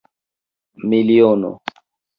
miliono